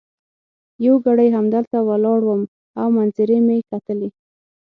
یو ګړی همدلته ولاړ وم او منظرې مي کتلې.